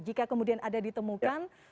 jika kemudian ada ditemukan